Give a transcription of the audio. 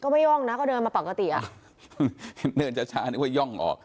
ไม่ย่องนะก็เดินมาปกติอ่ะเดินช้านึกว่าย่องออก